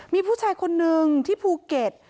มีผู้ชายคนนึงที่ภูเก็ต